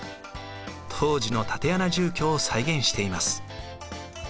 当時の竪穴住居を再現しています。